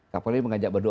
kapolri mengajak berdua